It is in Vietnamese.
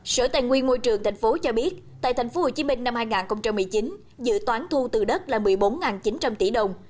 sở tài nguyên môi trường tp hcm cho biết tại tp hcm năm hai nghìn một mươi chín dự toán thu từ đất là một mươi bốn chín trăm linh tỷ đồng